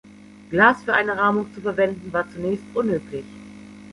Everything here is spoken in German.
Glas für eine Rahmung zu verwenden war zunächst unüblich.